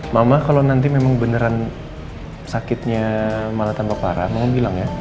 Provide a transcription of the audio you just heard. mama kalau nanti memang beneran sakitnya malah tambah parah mau bilang ya